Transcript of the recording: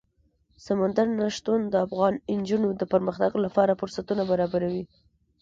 سمندر نه شتون د افغان نجونو د پرمختګ لپاره فرصتونه برابروي.